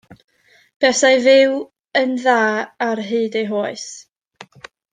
Buasai fyw yn dda ar hyd ei oes.